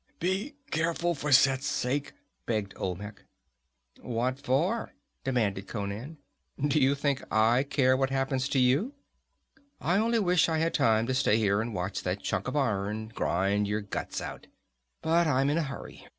"Be careful, for Set's sake!" begged Olmec. "What for?" demanded Conan. "Do you think I care what happens to you? I only wish I had time to stay here and watch that chunk of iron grind your guts out. But I'm in a hurry.